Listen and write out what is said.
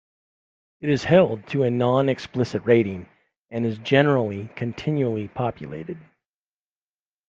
It is held to a non-explicit rating and is generally continually populated.